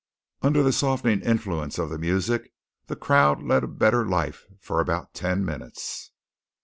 Under the softening influence of the music the crowd led a better life for about ten minutes.